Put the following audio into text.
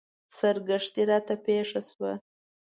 سرګښتۍ راته پېښه وه.